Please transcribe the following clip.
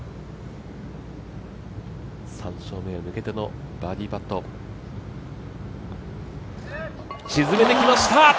３勝目に向けてのバーディーパット沈めてきました！